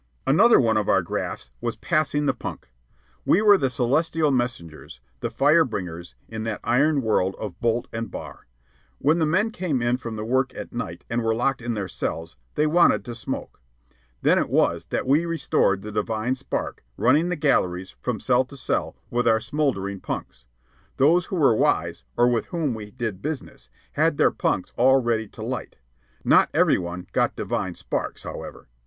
Another one of our grafts was "passing the punk." We were the celestial messengers, the fire bringers, in that iron world of bolt and bar. When the men came in from work at night and were locked in their cells, they wanted to smoke. Then it was that we restored the divine spark, running the galleries, from cell to cell, with our smouldering punks. Those who were wise, or with whom we did business, had their punks all ready to light. Not every one got divine sparks, however.